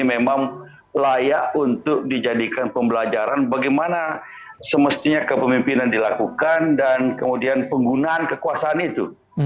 memang layak untuk dijadikan pembelajaran bagaimana semestinya kepemimpinan dilakukan dan kemudian penggunaan kekuasaan itu